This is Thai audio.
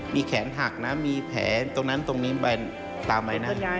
มีแขนหักนะมีแผลตรงนั้นตรงนี้ตามใบหน้า